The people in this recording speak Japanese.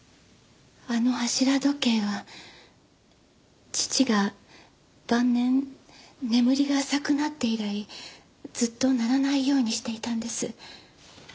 あの柱時計は父が晩年眠りが浅くなって以来ずっと鳴らないようにしていたんです。